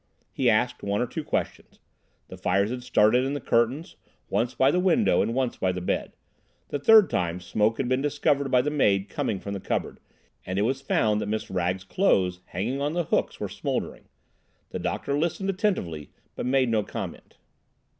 He asked one or two questions. The fires had started in the curtains—once by the window and once by the bed. The third time smoke had been discovered by the maid coming from the cupboard, and it was found that Miss Wragge's clothes hanging on the hooks were smouldering. The doctor listened attentively, but made no comment.